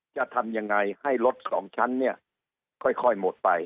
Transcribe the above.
จะทำยังไงให้รถสองชั้นเนี่ยค่อยหมดไป